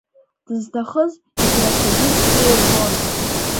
Дызҭахыз играқәагьы бзиа ирбон.